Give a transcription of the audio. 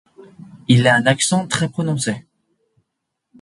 Il a un accent très prononcé.